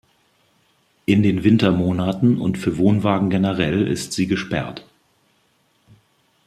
In den Wintermonaten und für Wohnwagen generell ist sie gesperrt.